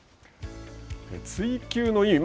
追求の意味